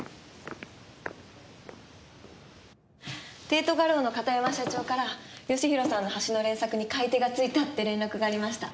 帝都画廊の片山社長から義弘さんの橋の連作に買い手が付いたって連絡がありました。